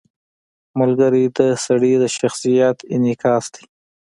• ملګری د سړي د شخصیت انعکاس دی.